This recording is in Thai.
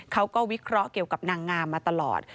วิเคราะห์เกี่ยวกับนางงามมาตลอด